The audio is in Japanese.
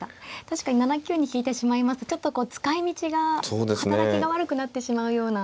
確かに７九に引いてしまいますとちょっとこう使いみちが働きが悪くなってしまうような。